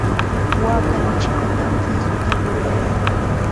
Waaka lichipitam kisuta rurayan.